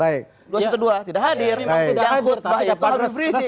dua sete dua tidak hadir